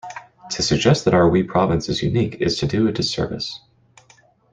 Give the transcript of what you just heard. To suggest that 'our wee province' is unique is to do a disservice.